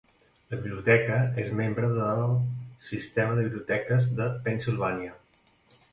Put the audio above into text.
La biblioteca és membre de sistema de biblioteques de Pennsylvania.